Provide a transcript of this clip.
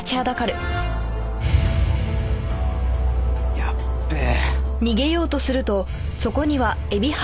やっべえ。